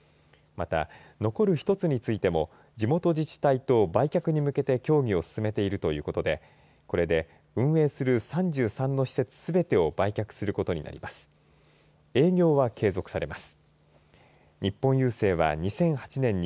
また、残る１つについても地元自治体と売却に向けて協議を進めているということでこれで運営する３３すべてを売却することになります。